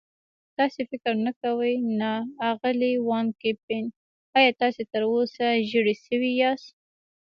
تاسې فکر نه کوئ؟ نه، اغلې وان کمپن، ایا تاسې تراوسه ژېړی شوي یاست؟